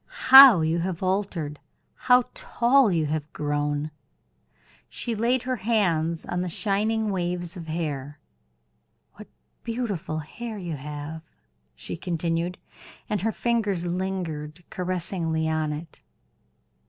"How you have altered; how tall you have grown!" She laid her hands on the shining waves of hair. "What beautiful hair you have!" she continued, and her fingers lingered caressingly on it.